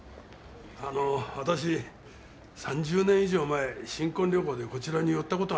あの私３０年以上前新婚旅行でこちらに寄った事がありましてね。